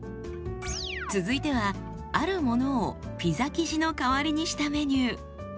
続いてはあるものをピザ生地の代わりにしたメニュー。